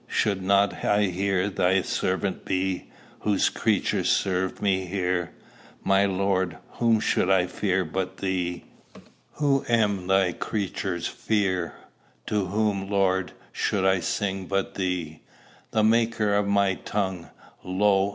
Should not I here thy servant be, Whose creatures serve me here? My Lord, whom should I fear but thee, Who am thy creatures' fear? "To whom, Lord, should I sing but thee, The Maker of my tongue? Lo!